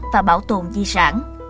và bảo tồn di sản